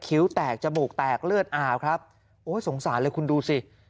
แตกจมูกแตกเลือดอาบครับโอ้ยสงสารเลยคุณดูสิ